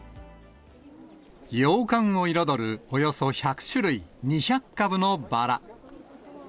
洋館を彩るおよそ１００種類２００株のバラ。